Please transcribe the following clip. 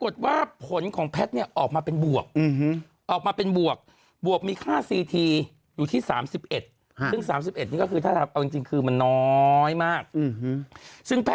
สวัสดีครับข้าวใส่ไข่สดใหม่ให้เยอะ